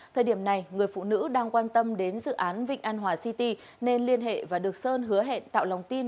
thời điểm này người phụ nữ đang quan tâm đến dự án vịnh an hòa city nên liên hệ và được sơn hứa hẹn tạo lòng tin